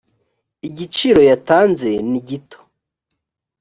igiciro yatanze nigito.